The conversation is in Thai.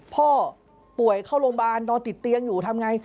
พ่อป่วยเข้าโรงพยาบาลนอนติดเตียงอยู่ทำไง